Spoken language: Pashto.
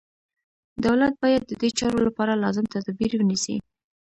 دولت باید ددې چارو لپاره لازم تدابیر ونیسي.